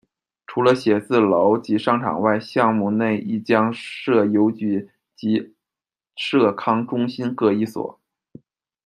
除了写字楼及商场外，项目内亦将设邮局及社康中心各一所。